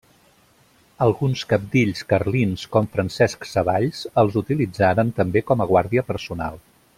Alguns cabdills carlins com Francesc Savalls els utilitzaren també com a guàrdia personal.